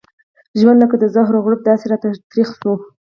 ژوند لکه د زهرو غړپ داسې راته تريخ شو.